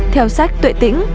theo sách tuệ tĩnh